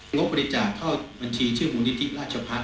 บบริจาคเข้าบัญชีชื่อมูลนิธิราชพักษ